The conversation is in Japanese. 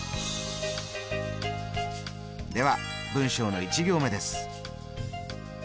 では文章の１行目です。